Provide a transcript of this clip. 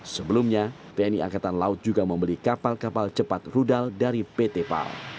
sebelumnya tni angkatan laut juga membeli kapal kapal cepat rudal dari pt pal